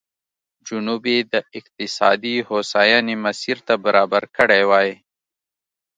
جنوب یې د اقتصادي هوساینې مسیر ته برابر کړی وای.